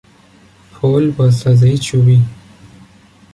پل با سازهی چوبی